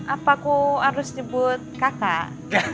apa aku harus nyebut kakak